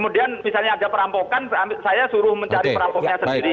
misalnya ada perampokan saya suruh mencari perampoknya sendiri